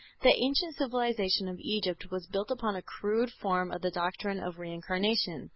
The ancient civilization of Egypt was built upon a crude form of the doctrine of Reincarnation.